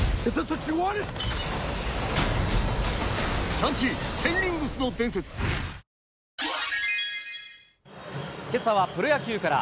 さらに、けさはプロ野球から。